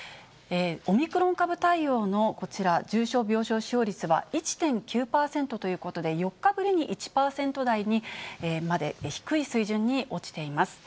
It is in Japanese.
オミクロン株対応のこちら、重症病床使用率は１．９％ということで、４日ぶりに１％台にまで、低い水準に落ちています。